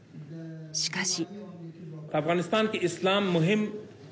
しかし。